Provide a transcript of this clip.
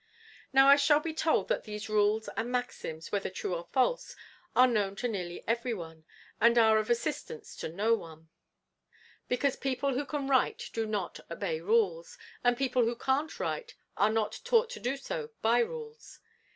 Now I shall be told that these rules and maxims, whether true or false, are 'known to nearly every one,' and are of assistance to no one; because people who can write do not obey rules: and people who can't write are not taught to do so by rules.